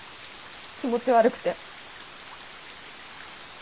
気持ち悪くて。